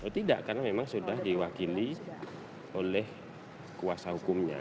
tidak karena memang sudah diwakili oleh kuasa hukumnya